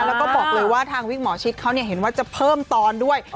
แล้วก็บอกเลยว่าทางวิกหมอชิดเขาเห็นว่าจะเพิ่มตอนด้วย